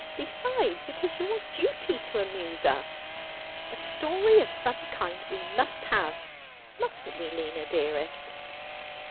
Besides, it is your duty to amuse us. A story of some kind we must have, mustn't we, Lina dearest